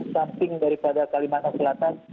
samping daripada kalimantan selatan